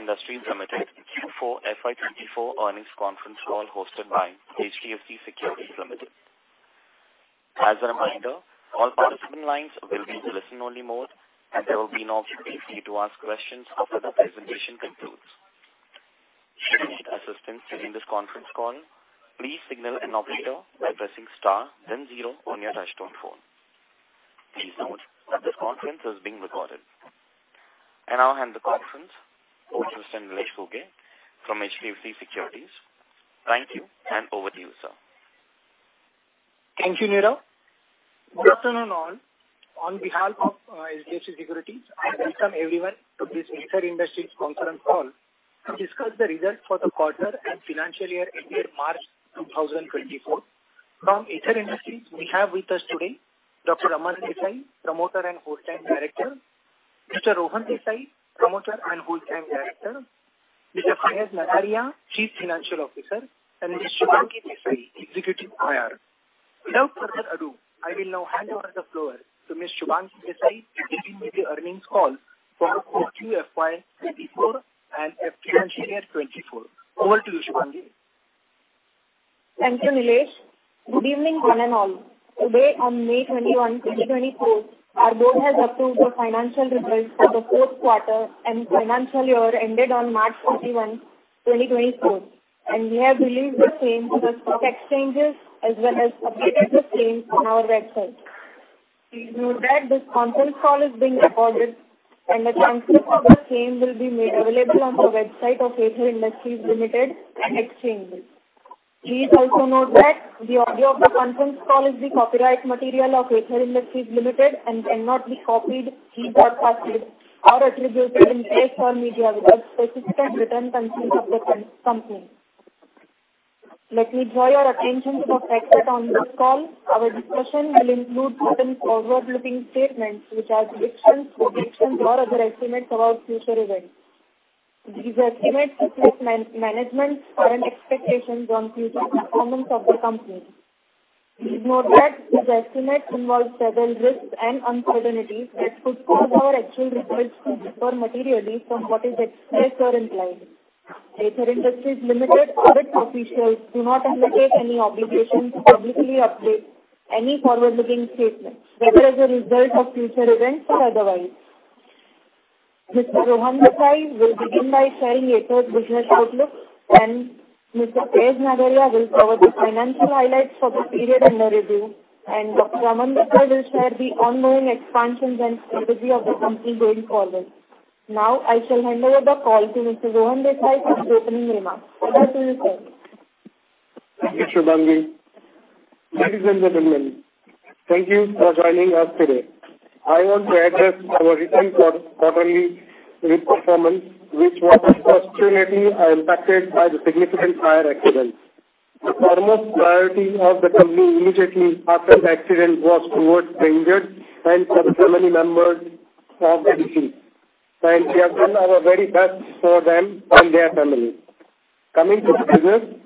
Good day and welcome to Aether Industries Limited's Q4 FY 2024 earnings conference call hosted by HDFC Securities Limited. As a reminder, all participant lines will be in listen-only mode, and there will be no opportunity for you to ask questions after the presentation concludes. If you need assistance during this conference call, please signal an operator by pressing star, then zero on your touch-tone phone. Please note that this conference is being recorded. I'll hand the conference over to Mr. Nilesh Ghuge from HDFC Securities. Thank you, and over to you, sir. Thank you, Neerav. Good afternoon all. On behalf of HDFC Securities, I welcome everyone to this Aether Industries conference call to discuss the results for the quarter and financial year ending March 2024. From Aether Industries, we have with us today Dr. Aman Desai, Promoter and Whole-Time Director; Mr. Rohan Desai, Promoter and Whole-Time Director; Mr. Faiz Nagariya, Chief Financial Officer; and Mr. Shubhangi Desai, Executive IR. Without further ado, I will now hand over the floor to Ms. Shubhangi Desai to begin with the earnings call for Q4 FY 2024 and financial year 2024. Over to you, Shubhangi. Thank you, Nilesh. Good evening, one and all. Today, on May 21, 2024, our board has approved the financial results for the fourth quarter and financial year ending on March 31, 2024, and we have released the same to the stock exchanges as well as updated the same on our website. Please note that this conference call is being recorded, and a transcript of the call will be made available on the website of Aether Industries Limited. Please also note that the audio of the conference call is the copyright material of Aether Industries Limited and cannot be copied, reproduced, or attributed in press or media without specific written consent of the company. Let me draw your attention to the safe harbor provisions that are on this call. Our discussion will include certain forward-looking statements which are predictions, projections, or other estimates about future events. These estimates reflect management's current expectations on future performance of the company. Please note that these estimates involve several risks and uncertainties that could cause our actual results to differ materially from what is expressed or implied. Neither Aether Industries Limited nor its officials undertake any obligations to publicly update any forward-looking statements, whether as a result of future events or otherwise. Mr. Rohan Desai will begin by sharing Aether's business outlook, then Mr. Faiz Nagariya will cover the financial highlights for the period under review, and Dr. Aman Desai will share the ongoing expansions and strategy of the company going forward. Now, I shall hand over the call to Mr. Rohan Desai for his opening remarks. Over to you, sir. Thank you, Shubhangi. Ladies and gentlemen, thank you for joining us today. I want to address our recent quarterly performance, which was substantially impacted by the significant fire accident. The foremost priority of the company immediately after the accident was towards the injured and the family members of the deceased, and we have done our very best for them and their families. Coming to business,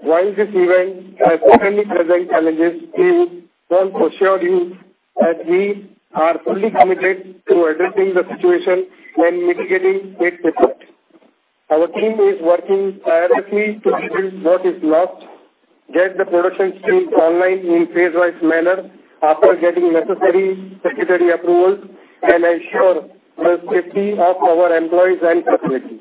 while this event has certainly presented challenges, we want to assure you that we are fully committed to addressing the situation and mitigating its effects. Our team is working tirelessly to rebuild what is lost, get the production scheme online in a phase-wise manner after getting necessary secondary approvals, and ensure the safety of our employees and facilities.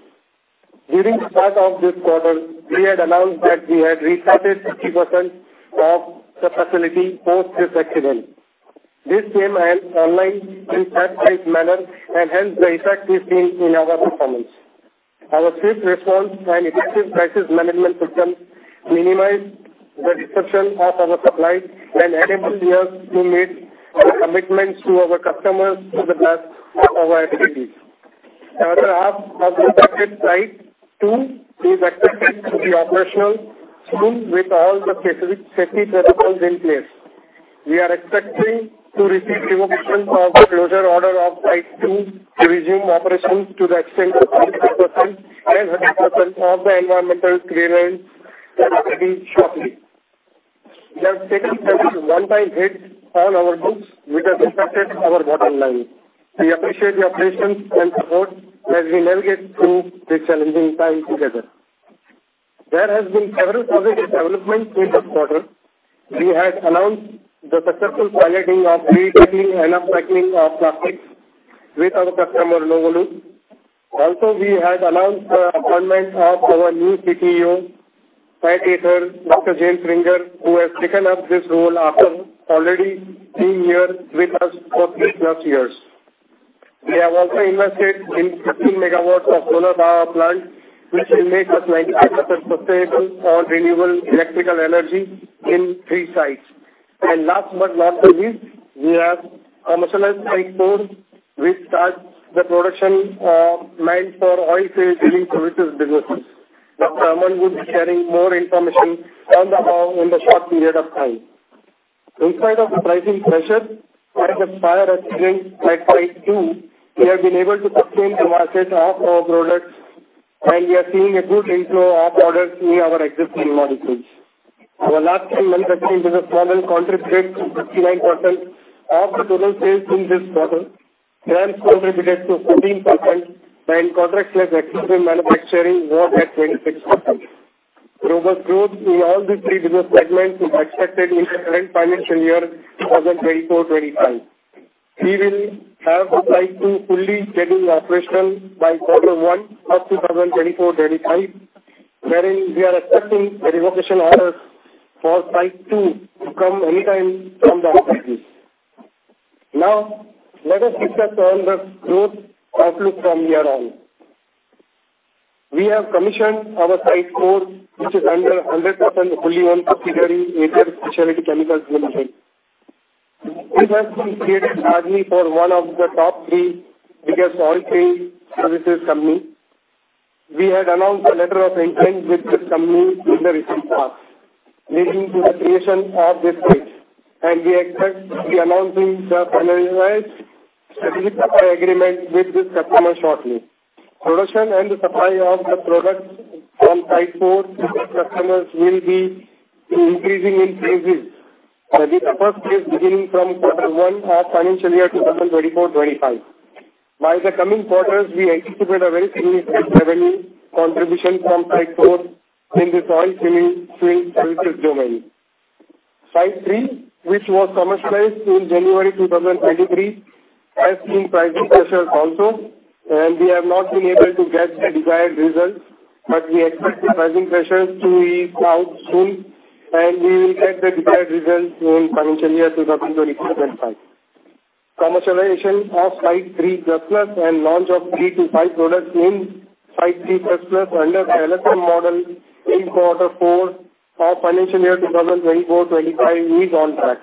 During the start of this quarter, we had announced that we had restarted 50% of the facility post this accident. This came online in a phase-wise manner, and hence the effect we've seen in our performance. Our swift response and effective crisis management systems minimized the disruption of our supply and enabled us to meet the commitments to our customers to the best of our abilities. The other half of the affected Site 2 is expected to be operational soon with all the specific safety protocols in place. We are expecting to receive revocation of the closure order of Site 2 to resume operations to the extent of 50% and 100% of the environmental clearance required shortly. We have taken such one-time hits on our books which have affected our bottom line. We appreciate your patience and support as we navigate through this challenging time together. There have been several positive developments in this quarter. We had announced the successful piloting of recycling and upcycling of plastics with our customer, Novoloop. Also, we had announced the appointment of our new CTO at Aether, Dr. James Ringer, who has taken up this role after already being here with us for 30+ years. We have also invested in 15MW of solar power plant, which will make us 95% sustainable on renewable electrical energy in three sites. And last but not least, we have commercialized Site 4, which starts the production meant for oil field drilling services businesses. Dr. Aman would be sharing more information on the above in the short period of time. In spite of pricing pressure and the fire accident at Site 2, we have been able to sustain the market of our products, and we are seeing a good inflow of orders in our existing modules. Our last three manufacturing business models contributed 59% of the total sales in this quarter, CRAMS contributed to 14%, and contract/exclusive manufacturing was at 26%. Robust growth in all these three business segments is expected in the current financial year 2024-2025. We will have Site 2 fully getting operational by quarter one of 2024-2025, wherein we are expecting revocation orders for Site 2 to come anytime from that side. Now, let us discuss the growth outlook from here on. We have commissioned our Site 4, which is under 100% fully owned subsidiary, Aether Specialty Chemicals Limited. This has been created for one of the top three biggest oil field services companies. We had announced a letter of intent with this company in the recent past leading to the creation of this site, and we expect to be announcing the finalized strategic supply agreement with this customer shortly. Production and the supply of the products from Site 4 customers will be increasing in phases, with the first phase beginning from quarter one of financial year 2024-2025. By the coming quarters, we anticipate a very significant revenue contribution from Site 4 in this oil field services domain. Site 3, which was commercialized in January 2023, has seen pricing pressures also, and we have not been able to get the desired results, but we expect the pricing pressures to ease out soon, and we will get the desired results in financial year 2024-2025. Commercialization of Site 3++ and launch of three to five products in Site 3++ under the LSM model in quarter four of financial year 2024-2025 is on track.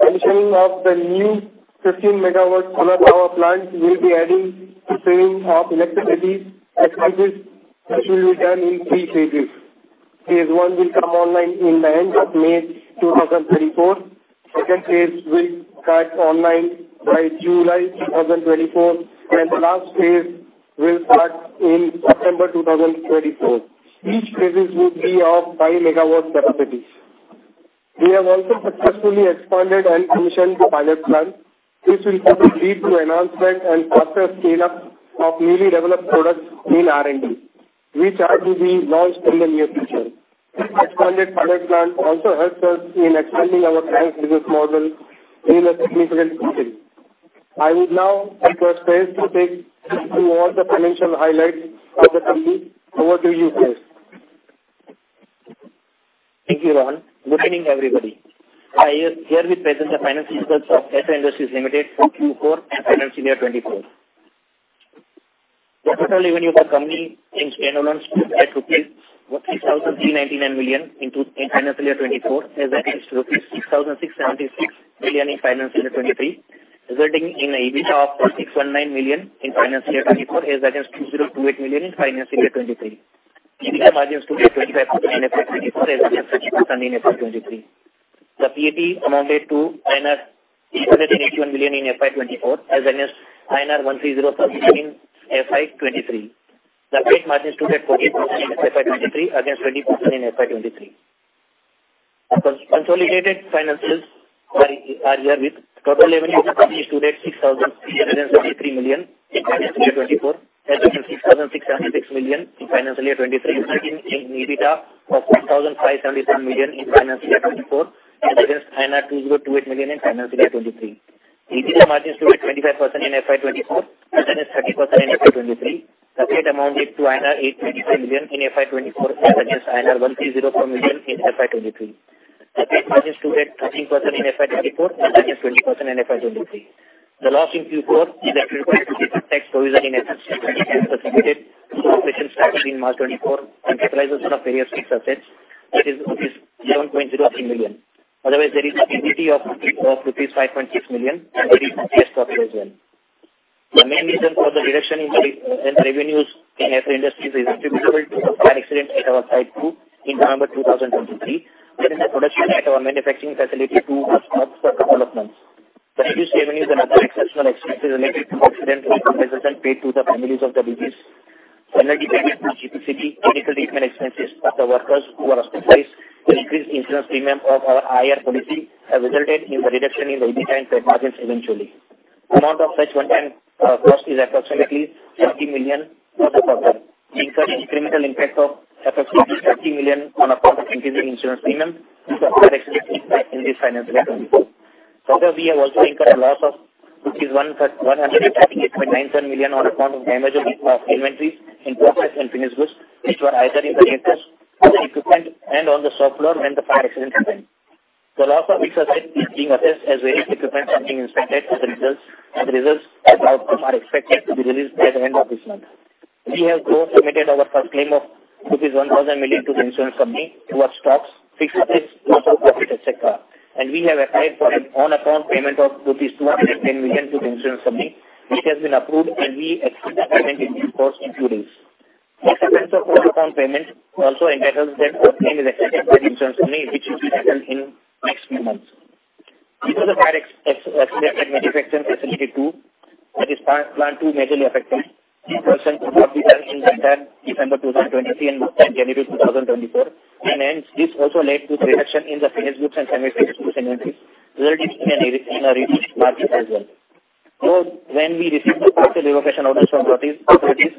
Commissioning of the new 15MW solar power plant will be adding to savings of electricity expenses, which will be done in three phases. Phase one will come online in the end of May 2024. Second phase will start online by July 2024, and the last phase will start in September 2024. Each phase would be of 5MW capacity. We have also successfully expanded and commissioned the pilot plant. This will lead to announcement and faster scale-up of newly developed products in R&D, which are to be launched in the near future. This expanded pilot plant also helps us in expanding our current business model in a significant way. I would now like to turn to all the financial highlights of the company. Over to you, sir. Thank you, Rohan. Good evening, everybody. I am here to present the financial results of Aether Industries Limited for Q4 and financial year 2024. The total revenue of the company in standalone was rupees 6,399 million in financial year 2024 against rupees 6,676 million in financial year 2023, resulting in an EBITDA of 619 million in financial year 2024 against 2,028 million in financial year 2023. EBITDA margins stood at 25% in FY 2024 against 50% in FY 2023. The PAT amounted to INR 881 million in FY 2024 against INR 130 million in FY 2023. The net margins stood at 40% in FY 2024 against 20% in FY 2023. Consolidated financials are as follows with total revenue of the company stood at 6,373 million in financial year 2024 against 6,676 million in financial year 2023, resulting in an EBITDA of INR 2,571 million in financial year 2024 against 2,028 million in financial year 2023. EBITDA margins stood at 25% in FY 2024 against 30% in FY 2023. The net profit amounted to 823 million in FY 2024 against INR 1,304 million in FY 2023. The net profit margins stood at 13% in FY 2024 against 20% in FY 2023. The loss in Q4 is due to a 3.2% tax provision on assets and contributions to operations started in March 2024, and capitalization of various fixed assets. It is 11.03 million. Otherwise, there is a PBT of rupees 5.6 million, and there is cash profit as well. The main reason for the reduction in revenues in Aether Industries is attributable to the fire accident at our Site 2 in November 2023, wherein the production at our manufacturing facility 2 was stopped for a couple of months. The reduced revenues and other exceptional expenses related to accident responses and paid to the families of the deceased, penalty paid to GPCB, medical treatment expenses of the workers who were hospitalized, and increased insurance premium of our IR policy have resulted in the reduction in the EBITDA and net margins eventually. The amount of such one-time cost is approximately 70 million for the quarter, incurring incremental impact of approximately 30 million on account of increasing insurance premium which are expected in this financial year 2024. Further, we have also incurred a loss of rupees 138.97 million on account of damage of inventories in process and finished goods which were either in the cases, equipment, and on the shop floor when the fire accident happened. The loss of fixed assets is being assessed as various equipment is being inspected as a result, and the results and outcomes are expected to be released by the end of this month. We have, though, submitted our first claim of 1,000 million to the insurance company towards stocks, fixed assets, loss of profit, etc., and we have applied for an on-account payment of 210 million to the insurance company which has been approved, and we expect the payment in the course of two days. The issuance of on-account payment also entitles that our claim is accepted by the insurance company which will be settled in the next few months. This is a fire accident at manufacturing facility 2, that is plant 2 majorly affected. Operations were not done from 3 December 2023 and January 2024, and hence this also led to the reduction in the finished goods and semi-finished goods inventories resulting in a reduced margin as well. Though when we received the partial revocation orders from authorities,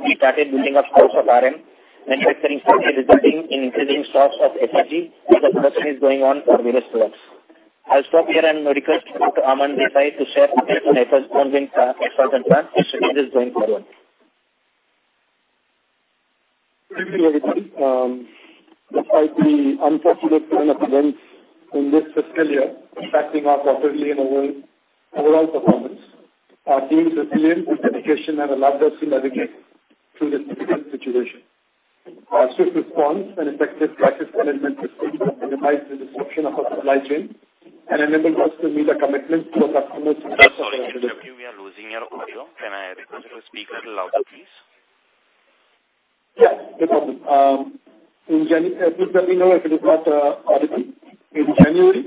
we started building up stocks of RM manufacturing factory resulting in increasing stocks of SFG as the production is going on for various products. I'll stop here and request Aman Desai to share his views on expansion plans and strategies going forward. Good evening, everybody. Despite the unfortunate turn of events in this fiscal year impacting our quarterly and overall performance, our team's resilience and dedication have allowed us to navigate through this difficult situation. Our swift response and effective crisis management systems have minimized the disruption of our supply chain and enabled us to meet our commitments to our customers in terms of our revenue. Sorry, I interrupt you. We are losing your audio. Can I request you to speak a little louder, please? Yes, no problem. Please let me know if it is not audible. In January,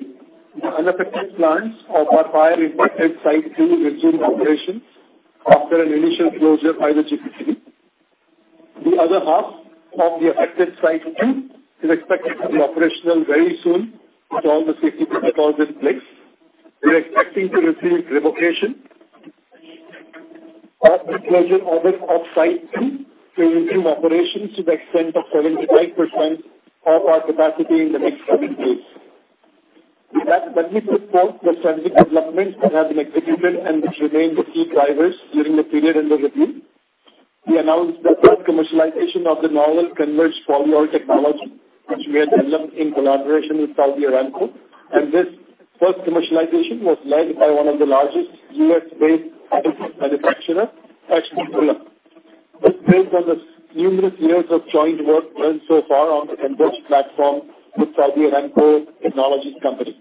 the unaffected plants of our fire-impacted Site 2 resumed operations after an initial closure by the GPCB. The other half of the affected Site 2 is expected to be operational very soon with all the safety protocols in place. We are expecting to receive revocation of the closure order of Site 2 to resume operations to the extent of 75% of our capacity in the next coming days. Let me support the strategic developments that have been executed and which remain the key drivers during the period under review. We announced the first commercialization of the novel Converge polyol technology which we had developed in collaboration with Saudi Aramco, and this first commercialization was led by one of the largest US-based manufacturers, H.B. Fuller. This is based on the numerous years of joint work done so far on the Converge platform with Saudi Aramco Technologies Company.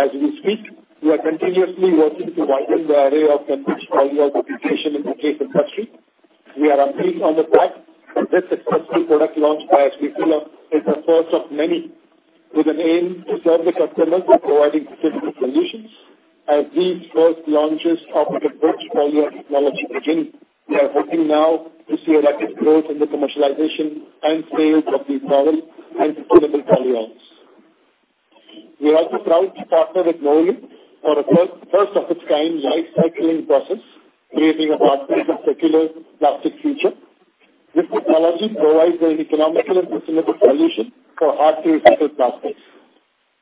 As we speak, we are continuously working to widen the array of Converge polyol applications in the CASE industry. We are amazed at the fact that this successful product launch by H.B. Fuller is the first of many with an aim to serve the customers by providing adhesive solutions. As these first launches of the Converge polyol technology begin, we are hoping now to see a rapid growth in the commercialization and sales of these novel and sustainable polyols. We are also proud to partner with Novoloop for a first-of-its-kind upcycling process creating a pathway for the circular plastic future. This technology provides an economical and sustainable solution for hard-to-recycle plastics.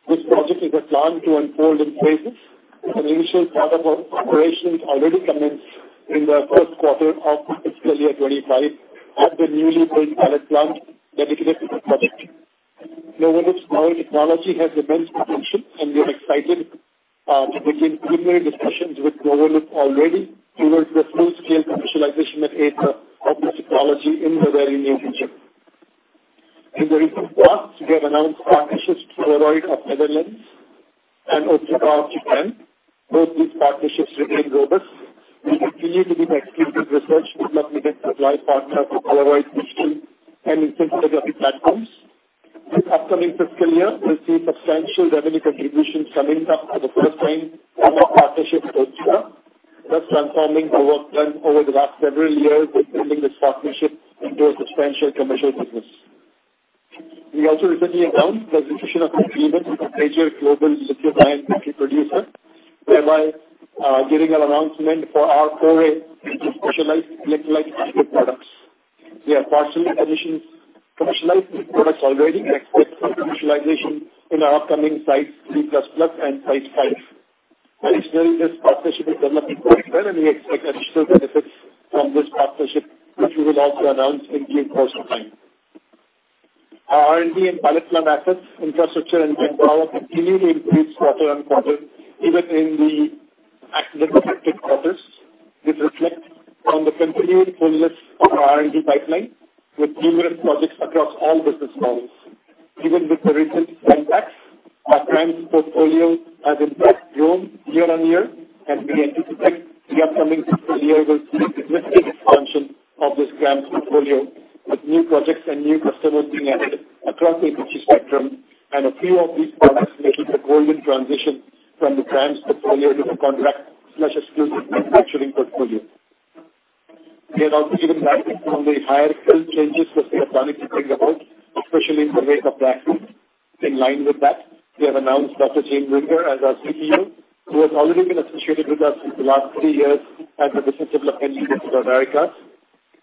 This project is a plan to unfold in phases. An initial part of our operations already commenced in the first quarter of fiscal year 2025 at the newly built pilot plant dedicated to this project. Novoloop's novel technology has immense potential, and we are excited to begin preliminary discussions with Novoloop already towards the full-scale commercialization at Aether of this technology in the very near future. In the recent past, we have announced partnerships with Polaroid of Netherlands and Otsuka of Japan. Both these partnerships remain robust. We continue to be the exclusive research and development and supply partner for Polaroid digital and instant photography platforms. This upcoming fiscal year, we'll see substantial revenue contributions coming up for the first time from our partnerships in Otsuka, thus transforming the work done over the last several years in building this partnership into a substantial commercial business. We also recently announced the resolution of agreements with a major global lithium-ion battery producer, thereby giving an announcement for our foray, which is specialized electrolyte active products. We have partially commissioned commercialized products already and expect commercialization in our upcoming Sites 3++ and Sites 5. Additionally, this partnership is developing quite well, and we expect additional benefits from this partnership, which we will also announce in due course of time. Our R&D and pilot plant assets, infrastructure, and power continually increase quarter on quarter, even in the accident-affected quarters. This reflects on the continued fullness of our R&D pipeline with numerous projects across all business models. Even with the recent impacts, our grant portfolio has in fact grown year on year, and we anticipate the upcoming fiscal year will see a significant expansion of this grant portfolio with new projects and new customers being added across the industry spectrum and a few of these products making the golden transition from the grant portfolio to the contract/exclusive manufacturing portfolio. We have also given background on the higher skill changes for the economy to bring about, especially in the wake of the accident. In line with that, we have announced Dr. James Ringer as our CTO, who has already been associated with us for the last three years at the business development unit at the Americas.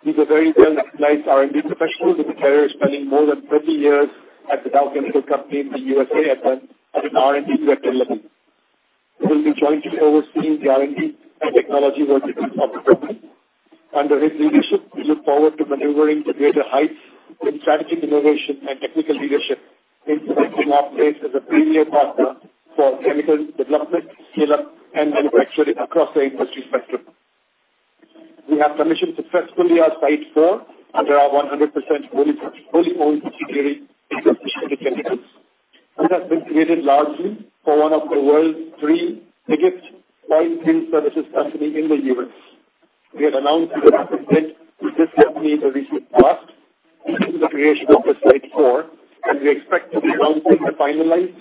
He's a very well-experienced R&D professional with a career spanning more than 30 years at the Dow Chemical Company in the USA as an R&D Director level. He will be jointly overseeing the R&D and technology working groups of the company. Under his leadership, we look forward to maneuvering to greater heights in strategic innovation and technical leadership, instead of being offered as a premier partner for chemical development, scale-up, and manufacturing across the industry spectrum. We have commissioned successfully our Site 4 under our 100% fully owned Aether Specialty Chemicals. This has been created largely for one of the world's three biggest oil and gas services companies in the U.S. We had announced that this company in the recent past through the creation of the Site 4, and we expect to be announcing the finalized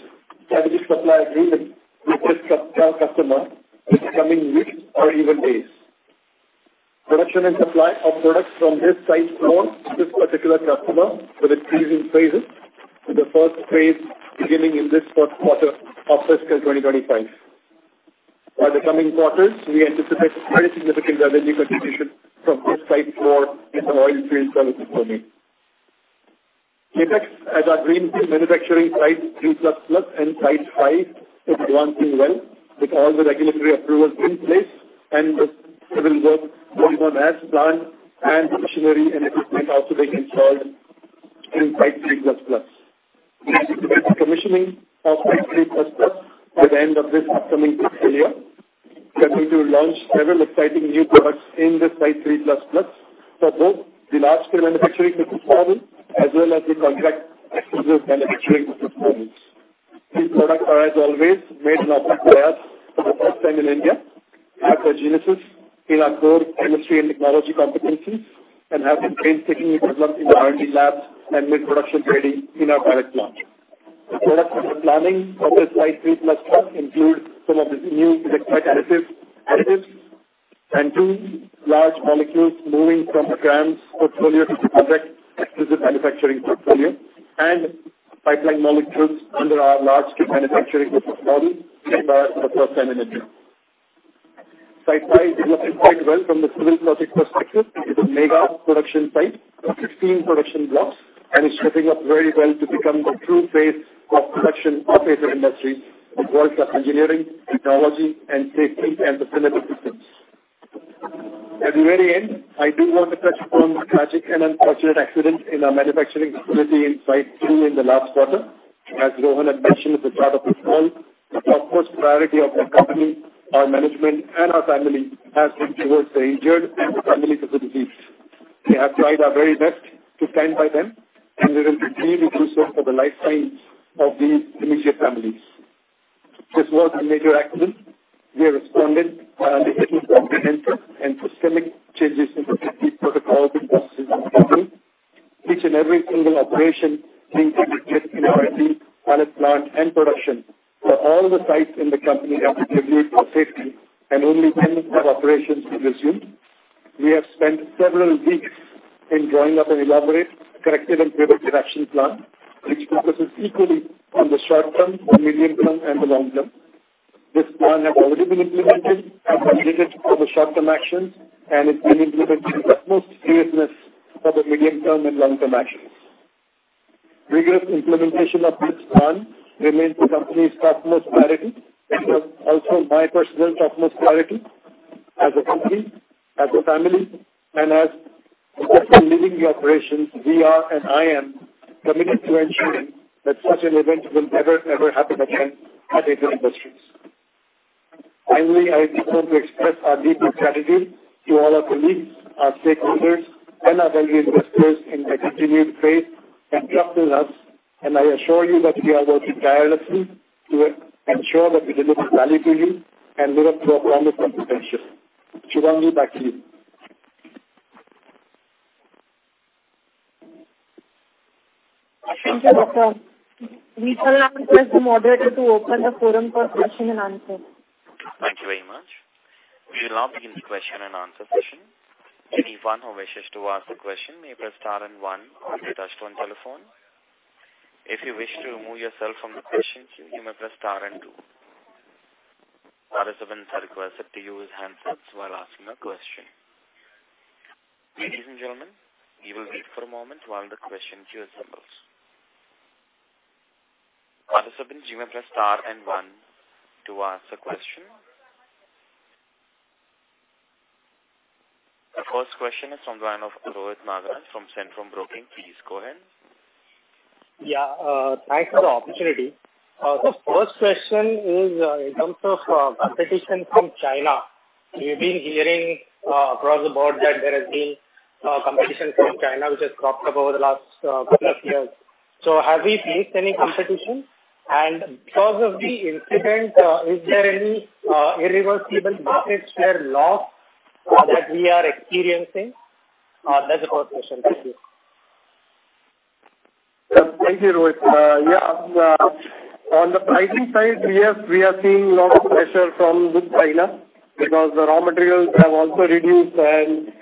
strategic supply agreement with this customer in the coming weeks or even days. Production and supply of products from this Site 4 to this particular customer will increase in phases, with the first phase beginning in this first quarter of fiscal 2025. By the coming quarters, we anticipate very significant revenue contribution from this Site 4 in the oil and gas services domain. CapEx at our green manufacturing Site 3++ and Site 5 is advancing well with all the regulatory approvals in place, and civil work is more than as planned, and structural and equipment also being installed in Site 3++. We anticipate commissioning of Site 3++ by the end of this upcoming fiscal year. We are going to launch several exciting new products in this Site 3++ for both the large-scale manufacturing business model as well as the contract/exclusive manufacturing business models. These products are, as always, made in-house by us for the first time in India, have a genesis in our core industry and technology competencies, and have been painstakingly developed in the R&D labs and made production-ready in our pilot plant. The products that we're planning for this Site 3++ include some of these new electrolyte additives and two large molecules moving from the grant's portfolio to the contract/exclusive manufacturing portfolio and pipeline molecules under our large-scale manufacturing business model being made by us for the first time in India. Site 5 is developing quite well from the civil project perspective. It's a mega production site with 15 production blocks and is stepping up very well to become the true face of production of Aether Industries with world-class engineering, technology, and safety and sustainability teams. At the very end, I do want to touch upon the tragic and unfortunate accident in our manufacturing facility in Site 2 in the last quarter. As Rohan had mentioned at the start of this call, the topmost priority of the company, our management, and our family has been towards the injured and the families of the deceased. We have tried our very best to stand by them, and we will continue to do so for the lifetime of these immediate families. This was a major accident. We have responded by undertaking comprehensive and systemic changes in the safety protocols and processes in Site 2, each and every single operation being taken care of in our R&D, pilot plant, and production. But all the sites in the company have been reviewed for safety, and only 10 of our operations have resumed. We have spent several weeks in drawing up and elaborating a corrective and preventive action plan which focuses equally on the short term, the medium term, and the long term. This plan has already been implemented and completed for the short-term actions, and it's been implemented with utmost seriousness for the medium term and long-term actions. Rigorous implementation of this plan remains the company's topmost priority and also my personal topmost priority. As a company, as a family, and as the person leading the operations, we are and I am committed to ensuring that such an event will never, ever happen again at Aether Industries. Finally, I want to express our deepest gratitude to all our colleagues, our stakeholders, and our value investors in the continued faith and trust in us. I assure you that we are working tirelessly to ensure that we deliver value to you and live up to our promise of potential. Shubhangi, back to you. Thank you, Dr. Aman. We shall now request the moderator to open the forum for questions and answers. Thank you very much. We will now begin the question-and-answer session. Anyone who wishes to ask a question may press star and one on the touch-tone telephone. If you wish to remove yourself from the question queue, you may press star and two. Participants are requested to use hands-free while asking a question. Ladies and gentlemen, you will wait for a moment while the question queue assembles. Participants, you may press star and one to ask a question. The first question is from the line of Rohit Nagraj from Centrum Broking. Please go ahead. Yeah. Thanks for the opportunity. The first question is in terms of competition from China. We've been hearing across the board that there has been competition from China which has cropped up over the last couple of years. So have we faced any competition? And because of the incident, is there any irreversible market share loss that we are experiencing? That's the first question. Thank you. Thank you, Rohit. Yeah. On the pricing side, we are seeing a lot of pressure from China because the raw materials have also reduced, and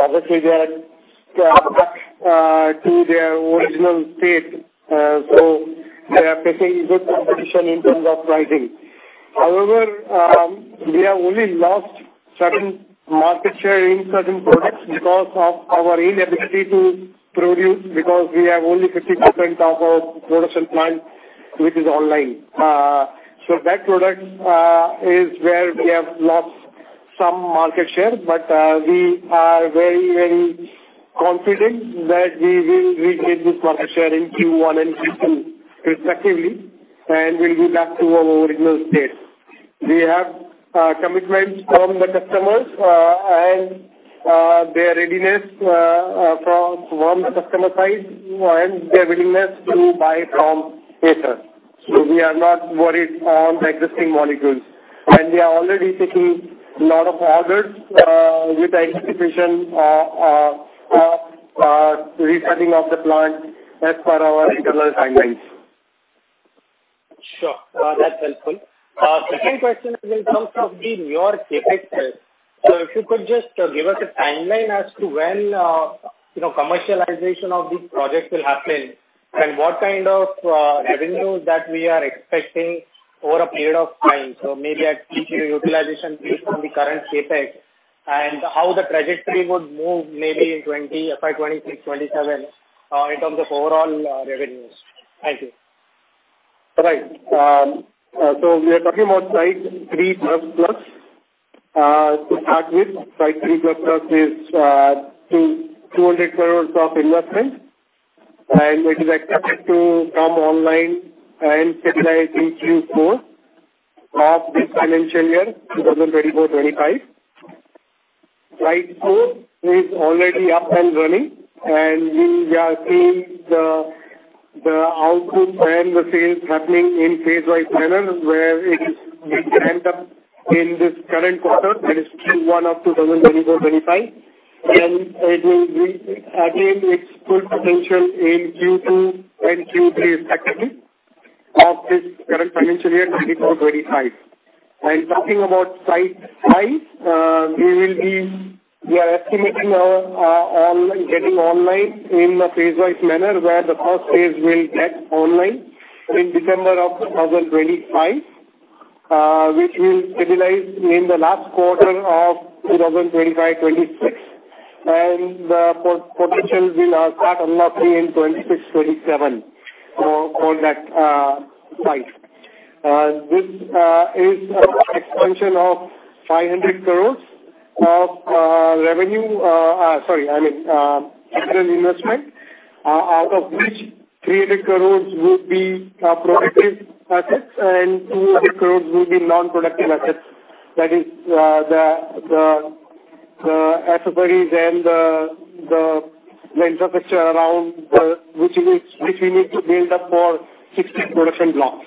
obviously, they are back to their original state. So they are facing good competition in terms of pricing. However, we have only lost certain market share in certain products because of our inability to produce because we have only 50% of our production plant which is online. So that product is where we have lost some market share, but we are very, very confident that we will regain this market share in Q1 and Q2 respectively and will be back to our original state. We have commitments from the customers and their readiness from the customer side and their willingness to buy from Aether. So we are not worried on the existing molecules. We are already taking a lot of orders with anticipation of resetting of the plant as per our internal timelines. Sure. That's helpful. Second question is in terms of the newer CapEx space. So if you could just give us a timeline as to when commercialization of these projects will happen and what kind of revenues that we are expecting over a period of time? So maybe at peak utilization based on the current CapEx and how the trajectory would move maybe in 2026, 2027 in terms of overall revenues. Thank you. All right. So we are talking about Site 3++. To start with, Site 3++ is 200 crore of investment, and it is expected to come online and stabilize in Q4 of this financial year, 2024-2025. Site 4 is already up and running, and we are seeing the output and the sales happening in phase-wise manner where it will end up in this current quarter, that is Q1 of 2024-2025. And it will attain its full potential in Q2 and Q3 respectively of this current financial year, 2024-2025. And talking about Site 5, we are estimating getting online in a phase-wise manner where the first phase will get online in December of 2025, which will stabilize in the last quarter of 2025-2026. And the potential will start unlocking in 2026-2027 for that site. This is an expansion of 500 crores of revenue sorry, I mean, capital investment, out of which 300 crores would be productive assets and 200 crores would be non-productive assets. That is the accessories and the infrastructure around which we need to build up for 60 production blocks.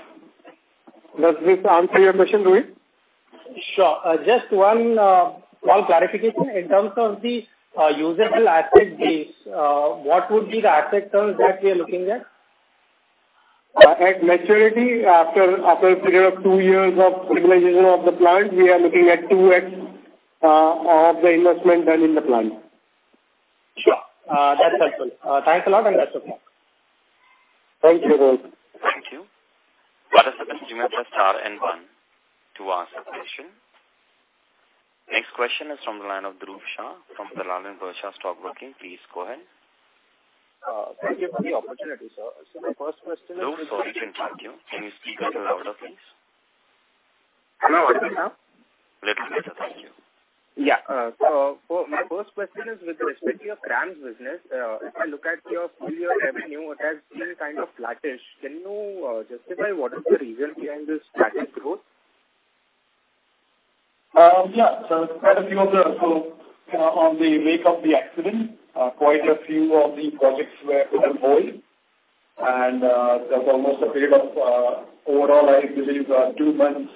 Does this answer your question, Rohit? Sure. Just one more clarification. In terms of the usable asset base, what would be the asset terms that we are looking at? At maturity, after a period of two years of stabilization of the plant, we are looking at 2x of the investment done in the plant. Sure. That's helpful. Thanks a lot, and that's ok. Thank you, Rohit. Thank you. Participants, you may press star and one to ask a question. Next question is from the line of Dhruv Shah from Dalal & Broacha Stock Broking. Please go ahead. Thank you for the opportunity, sir. My first question is. Dhruv, sorry, I interrupt you. Can you speak a little louder, please? Hello. What's this now? Little closer. Thank you. Yeah. My first question is with respect to your CRAMS business. If I look at your full-year revenue, it has seemed kind of flattish. Can you justify what is the reason behind this flattish growth? Yeah. So, quite a few of them so, on the wake of the accident, quite a few of the projects were put on hold. There was almost a period overall, I believe, two months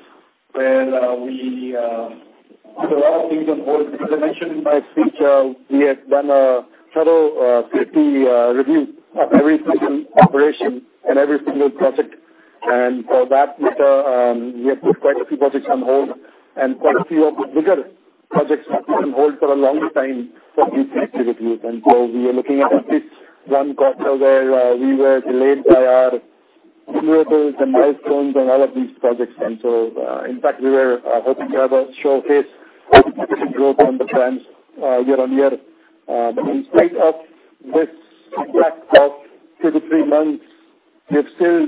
where we put a lot of things on hold. As I mentioned in my speech, we had done a thorough safety review of every single operation and every single project. For that matter, we have put quite a few projects on hold and quite a few of the bigger projects were put on hold for a longer time for these safety reviews. So we are looking at at least one quarter where we were delayed by our approvals and milestones and all of these projects. In fact, we were hoping to have a showcase of the growth in the quarter year-on-year. But in spite of this lack of two to three months, we've still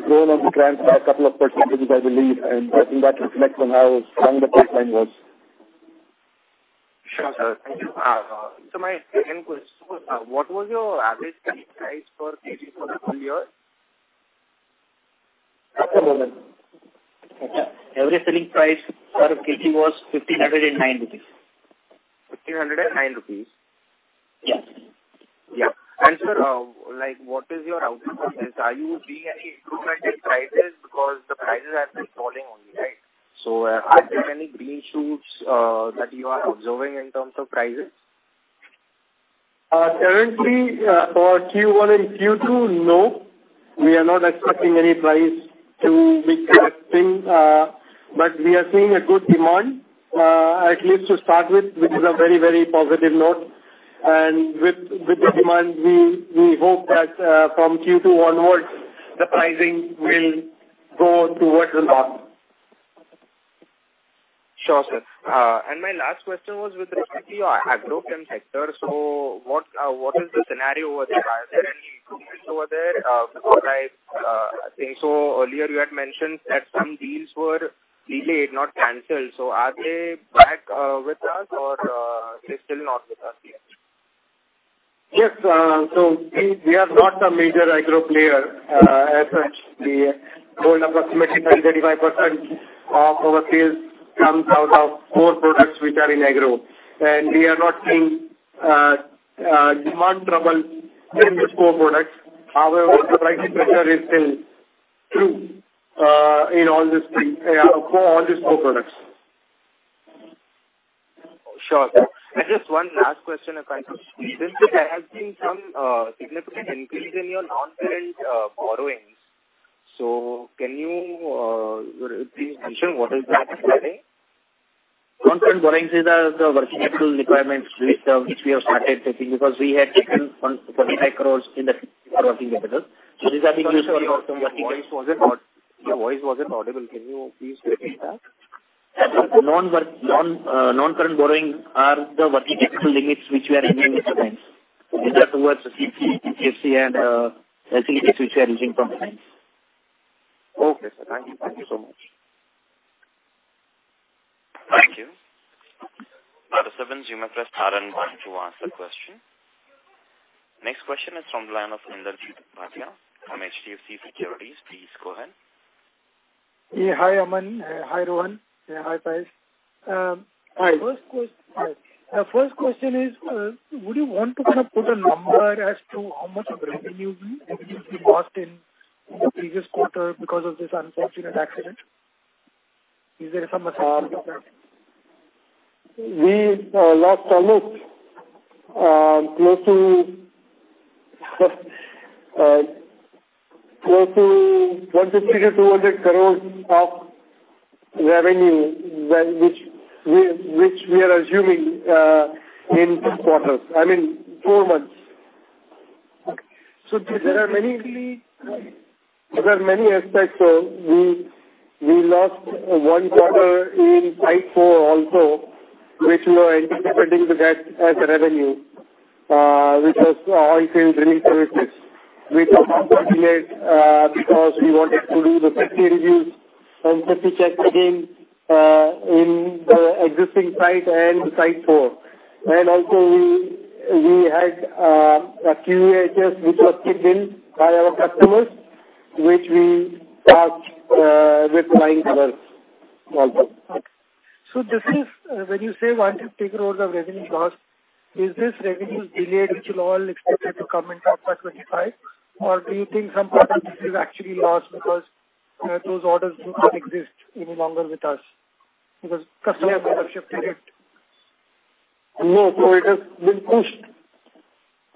grown on the grants by a couple of percent. I believe. And I think that reflects on how strong the pipeline was. Sure. Thank you. So my second question was, what was your average selling price for Kg for the full year? Just a moment. Every selling price per Kg was 1,509 rupees. 1,509 rupees? Yes. Yeah. Sir, what is your output sense? Are you seeing any improvement in prices because the prices have been falling only, right? Are there any green shoots that you are observing in terms of prices? Currently, for Q1 and Q2, no. We are not expecting any price to be correcting. But we are seeing a good demand, at least to start with, which is a very, very positive note. With the demand, we hope that from Q2 onwards, the pricing will go towards the bottom. Sure, sir. And my last question was with respect to your agrochem sector. So what is the scenario over there? Are there any improvements over there? Because I think so earlier, you had mentioned that some deals were delayed, not canceled. So are they back with us, or they're still not with us yet? Yes. We are not a major agro player as such. We hold approximately 30%-35% of our sales comes out of core products which are in agro. We are not seeing demand trouble in the core products. However, the price pressure is still true for all these core products. Sure. Just one last question, if I could. Since there has been some significant increase in your non-current borrowings, so can you please mention what is that referring to? Non-current borrowings are the working capital requirements which we have started taking because we had taken INR 45 crore in the working capital. So these are being used for some working capital. Your voice wasn't audible. Can you please repeat that? Non-current borrowings are the working capital limits which we are using with the grants. These are towards the CC, PCFC and LC limits, which we are using from the grants. Okay, sir. Thank you. Thank you so much. Thank you. Participants, you may press star and one to answer the question. Next question is from the line of Inderjeet Bhatia from HDFC Securities. Please go ahead. Yeah. Hi, Aman. Hi, Rohan. Hi, Faiz. Hi. The first question is, would you want to kind of put a number as to how much of revenue we lost in the previous quarter because of this unfortunate accident? Is there some estimate of that? We lost almost close to 150-200 crore of revenue which we are assuming in quarters. I mean, four months. Okay. So do you think? There are many aspects. So we lost one quarter in Site 4 also, which we were anticipating to get as revenue, which was oilfield drilling services, which was unfortunate because we wanted to do the safety reviews and safety checks again in the existing site and Site 4. And also, we had a QEHS which was kicked in by our customers, which we passed with flying colors also. Okay. So when you say 150 crore of revenue lost, is this revenue delayed which you all expected to come in 2025, or do you think some part of this is actually lost because those orders do not exist any longer with us because customer shifted it? No. So it has been pushed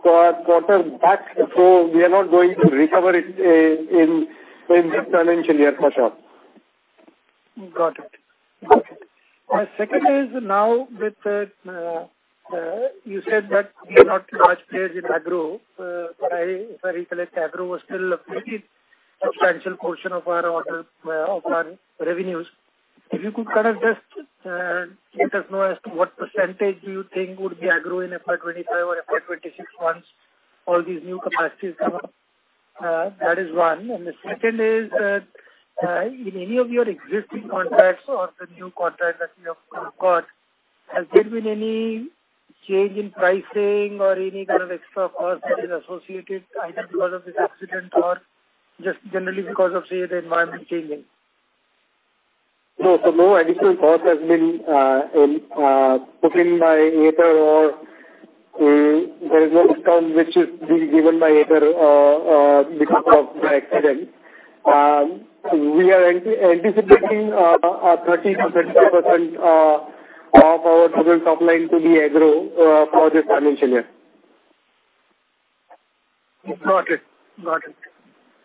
for a quarter back. So we are not going to recover it in this financial year, for sure. Got it. Got it. My second is now with the you said that we are not large players in agro. If I recollect, agro was still a substantial portion of our revenues. If you could kind of just let us know as to what percentage do you think would be agro in FY 2025 or FY 2026 once all these new capacities come up? That is one. And the second is, in any of your existing contracts or the new contract that you have got, has there been any change in pricing or any kind of extra cost that is associated either because of this accident or just generally because of, say, the environment changing? No. So no additional cost has been put in by Aether, or there is no discount which is being given by Aether because of the accident. We are anticipating a 30%-35% of our total top line to be agro for this financial year. Got it. Got it.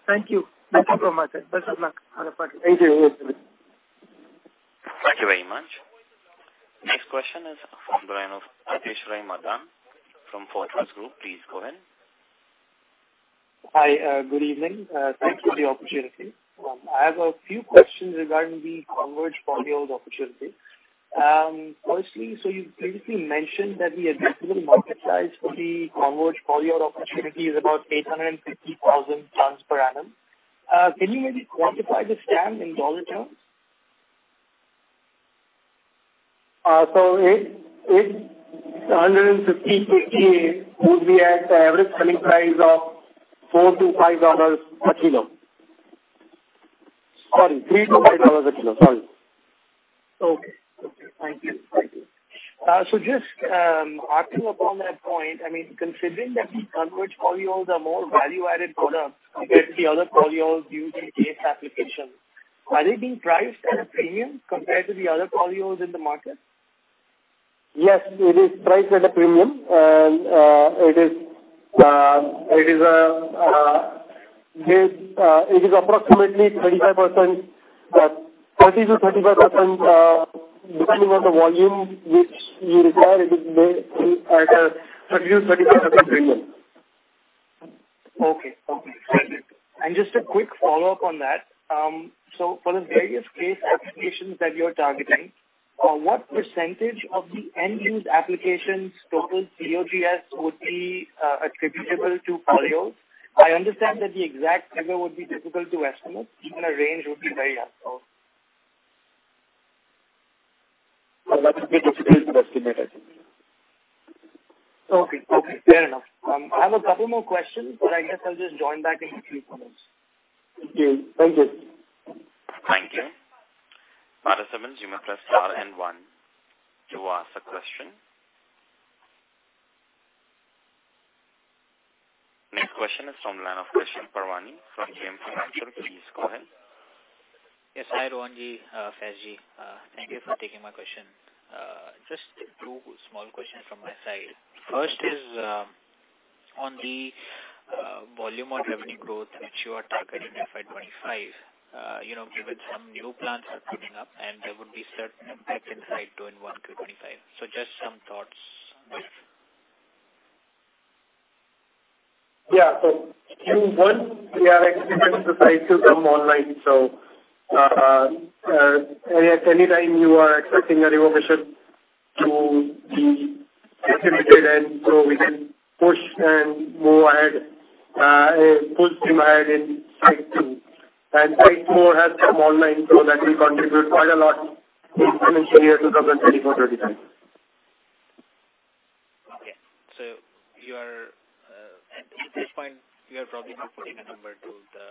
Thank you. Thank you very much, sir. Best of luck on the project. Thank you. Thank you very much. Next question is from the line of Atishray Malhan from Fortress Group. Please go ahead. Hi. Good evening. Thanks for the opportunity. I have a few questions regarding the Converge Polyol opportunity. Firstly, so you previously mentioned that the additional market size for the Converge Polyol opportunity is about 850,000 tons per annum. Can you maybe quantify the scale in dollar terms? So 850,000 would be at the average selling price of $4-$5 a kilo. Sorry, $3-$5 a kilo. Sorry. Okay. Okay. Thank you. Thank you. So just adding upon that point, I mean, considering that the Converge Polyols are more value-added products compared to the other polyols used in case applications, are they being priced at a premium compared to the other polyols in the market? Yes. It is priced at a premium. It is approximately 30%-35% depending on the volume which you require. It is at a 30%-35% premium. Okay. Okay. Thank you. And just a quick follow-up on that. So for the various CASE applications that you're targeting, what percentage of the end-use applications' total COGS would be attributable to polyols? I understand that the exact figure would be difficult to estimate. Even a range would be very helpful. So that would be difficult to estimate, I think. Okay. Okay. Fair enough. I have a couple more questions, but I guess I'll just join back in a few minutes. Thank you. Thank you. Thank you. Participants, you may press star and one to ask a question. Next question is from the line of Krishan Parwani from JM Financial. Please go ahead. Yes. Hi, Rohan. Faiz. Thank you for taking my question. Just two small questions from my side. First is on the volume of revenue growth which you are targeting in FY 2025, given some new plants are coming up, and there would be certain impact in Site 2 and 1Q 2025. So just some thoughts on that. Yeah. So Q1, we are expecting Site 2 to come online. So anytime you are expecting a resolution to be implemented and so we can push and move ahead full steam ahead in Site 2. Site 4 has come online, so that will contribute quite a lot in financial year 2024-2025. Okay. At this point, you are probably reporting a number to the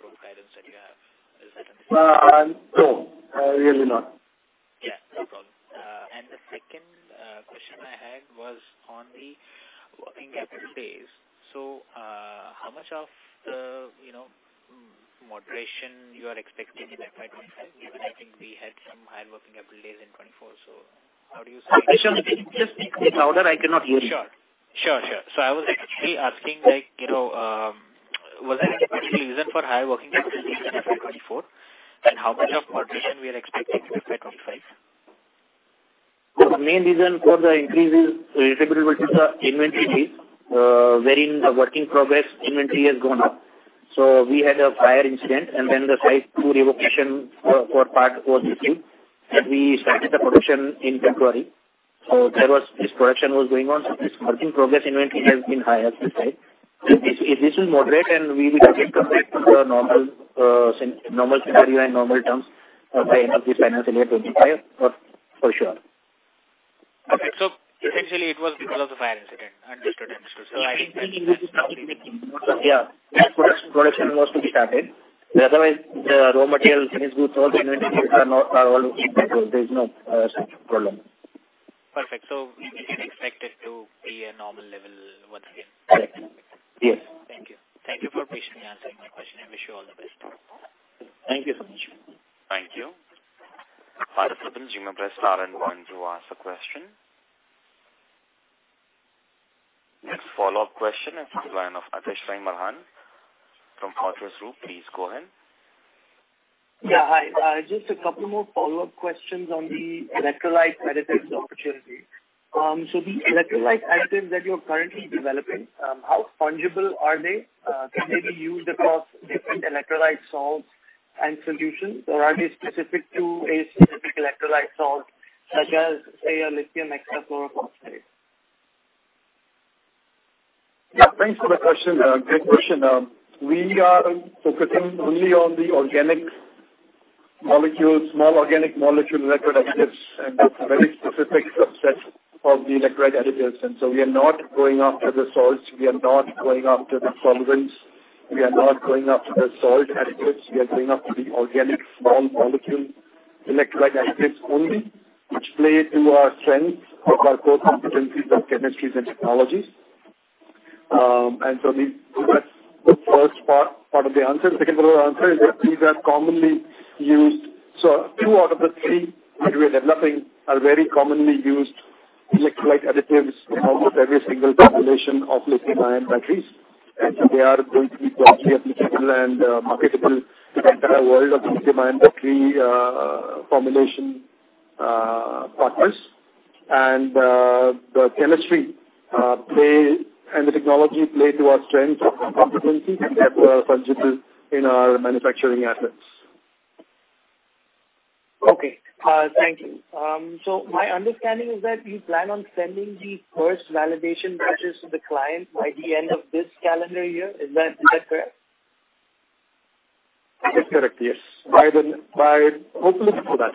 growth guidance that you have. Is that understandable? No. Really not. Yeah. No problem. And the second question I had was on the working capital days. So how much of the moderation you are expecting in FY 2025? I think we had some higher working capital days in 2024. So how do you see? Krishan, just be clear louder. I cannot hear you. Sure. Sure. Sure. So I was actually asking, was there any particular reason for higher working capital days in FY 2024, and how much of moderation we are expecting in FY 2025? The main reason for the increase is attributable to the inventories, wherein the working progress inventory has gone up. So we had a fire incident, and then the Site 2 revocation for part was received. We started the production in February. So there was this production was going on. So this working progress inventory has been higher this time. If this will moderate, and we will get back to the normal scenario and normal terms by end of this financial year 2025, for sure. Okay. So essentially, it was because of the fire incident. Understood. Understood. So I think that is probably the. Yeah. Production was to be started. Otherwise, the raw materials, finished goods, all the inventories are all in control. There is no such problem. Perfect. So you expect it to be a normal level once again? Correct. Yes. Thank you. Thank you for patiently answering my question. I wish you all the best. Thank you so much. Thank you. Participants, you may press star and one to ask a question. Next follow-up question is from the line of Atishray Malhan from Fortress Group. Please go ahead. Yeah. Hi. Just a couple more follow-up questions on the electrolyte additives opportunity. So, the electrolyte additives that you're currently developing, how fungible are they? Can they be used across different electrolyte salts and solutions, or are they specific to a specific electrolyte salt such as, say, a lithium hexachlorophosphate? Yeah. Thanks for the question. Great question. We are focusing only on the organic molecules, small organic molecule electrolytes, and that's a very specific subset of the electrolyte additives. So we are not going after the salts. We are not going after the solvents. We are not going after the salt additives. We are going after the organic small molecule electrolyte additives only, which play into our strengths of our core competencies of chemistries and technologies. So that's the first part of the answer. Second part of the answer is that these are commonly used so two out of the three that we are developing are very commonly used electrolyte additives in almost every single population of lithium-ion batteries. So they are going to be broadly applicable and marketable to the entire world of lithium-ion battery formulation partners. The chemistry and the technology play into our strengths and competencies. Therefore, they are fungible in our manufacturing assets. Okay. Thank you. So my understanding is that you plan on sending the first validation batches to the client by the end of this calendar year. Is that correct? That's correct. Yes. Hopefully, before that.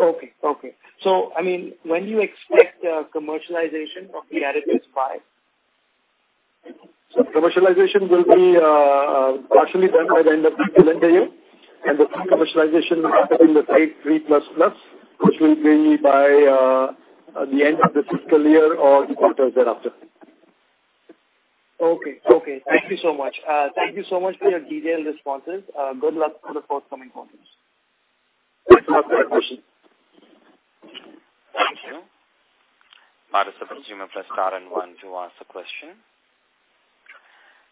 Okay. Okay. So I mean, when do you expect commercialization of the additives by? Commercialization will be partially done by the end of this calendar year. The commercialization will be in the Site 3++, which will be by the end of the fiscal year or the quarters thereafter. Okay. Okay. Thank you so much. Thank you so much for your detailed responses. Good luck for the forthcoming quarters. Thanks a lot for that question. Thank you. Participants, you may press star and one to ask a question.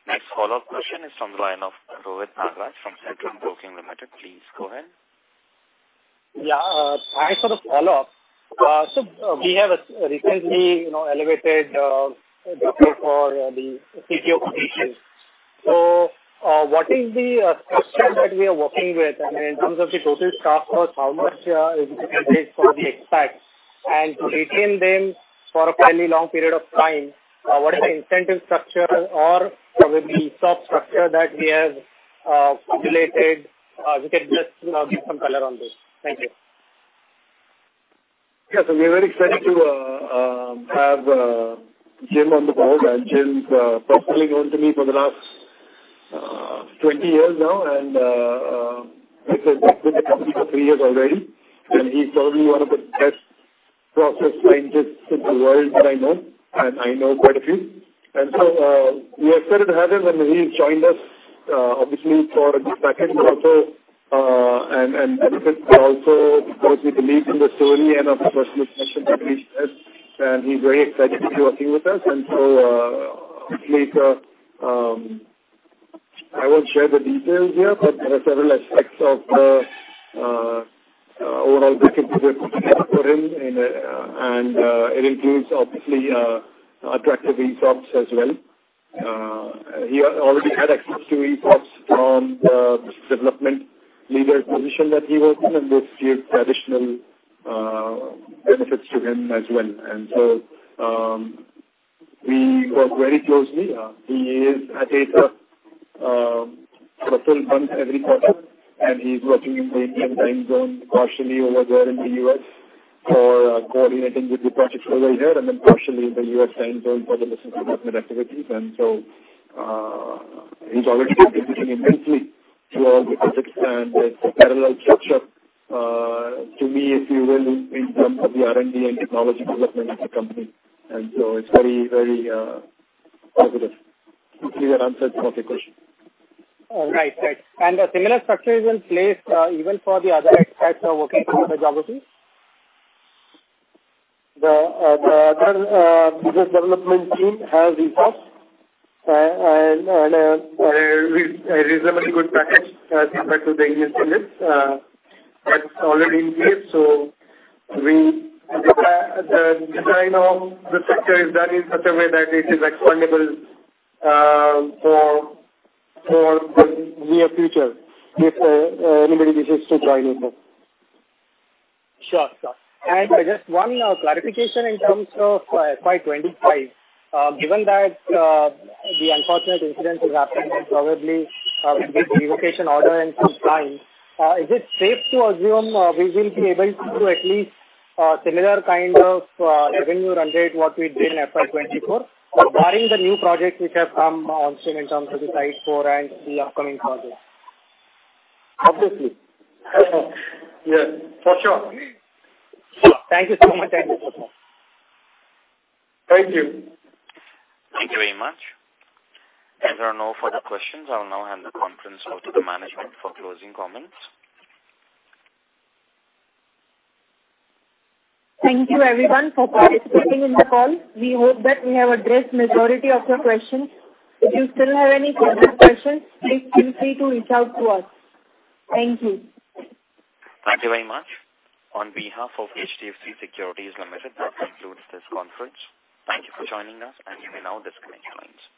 Next follow-up question is from the line of Rohit Nagraj from Centrum Broking Limited. Please go ahead. Yeah. Hi. Sort of follow-up. So we have a recently elevated Dr. Ringer to the CTO position. So what is the structure that we are working with? I mean, in terms of the total staff cost, how much is it going to take for the expats? And to retain them for a fairly long period of time, what is the incentive structure or probably ESOP structure that we have in place? If you can just give some color on this. Thank you. Yeah. So we are very excited to have Jim on the board. Jim's personally known to me for the last 20 years now, and I've been with the company for three years already. He's probably one of the best process scientists in the world that I know. I know quite a few. So we are excited to have him. He's joined us, obviously, for a good package and benefits, but also because he believes in the story and of the personal connection that Krishan has. He's very excited to be working with us. So obviously, I won't share the details here, but there are several aspects of the overall good contribution for him. It includes, obviously, attractive ESOPs as well. He already had access to ESOPs from the development leader position that he worked in, and this gives additional benefits to him as well. And so we work very closely. He is at Aether for a full month every quarter. And he's working in the Indian time zone, partially over there in the U.S. for coordinating with the projects over here, and then partially in the U.S. time zone for the business development activities. And so he's already been contributing immensely to all the projects and the parallel structure to me, if you will, in terms of the R&D and technology development of the company. And so it's very, very positive. Hopefully, that answers all the questions. All right. Great. And the similar structure is in place even for the other expats who are working from other geographies? The business development team has ESOPs and a reasonably good package as compared to the Indian teams. That's already in place. So the design of the sector is done in such a way that it is expandable for the near future if anybody wishes to join Aether. Sure. Sure. I guess one clarification in terms of FY 2025. Given that the unfortunate incident has happened probably with the revocation order and some time, is it safe to assume we will be able to at least [have a] similar kind of revenue we did in FY 2024, barring the new projects which have come on stream in terms of the Site 4 and the upcoming projects? Obviously. Yes. For sure. Thank you so much. Thank you. Thank you. Thank you very much. If there are no further questions, I will now hand the conference over to the management for closing comments. Thank you, everyone, for participating in the call. We hope that we have addressed the majority of your questions. If you still have any further questions, please feel free to reach out to us. Thank you. Thank you very much. On behalf of HDFC Securities Limited, that concludes this conference. Thank you for joining us, and you may now disconnect lines.